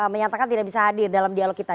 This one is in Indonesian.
menyatakan tidak bisa hadir dalam dialog kita